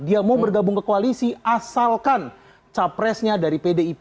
dia mau bergabung ke koalisi asalkan capresnya dari pdip